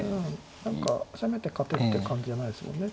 何か攻めて勝てるって感じじゃないですもんね